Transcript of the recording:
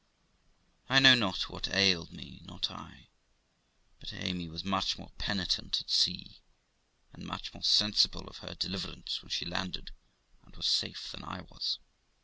I know not what ailed me, not I ; but Amy was much more penitent at sea, and much more sensible of her deliverance when she landed and was safe, than I was.